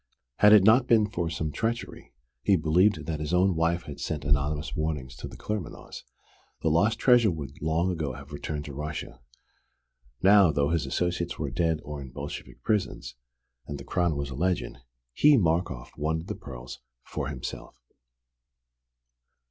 Had it not been for some treachery (he believed that his own wife had sent anonymous warnings to the Claremanaghs) the lost treasure would long ago have returned to Russia. Now, though his associates were dead or in Bolshevik prisons, and the crown was a legend, he Markoff wanted the pearls for himself.